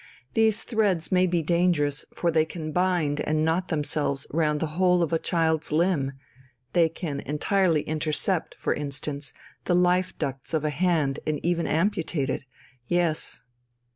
These threads may be dangerous, for they can bind and knot themselves round the whole of a child's limb; they can entirely intercept, for instance, the life ducts of a hand and even amputate it. Yes."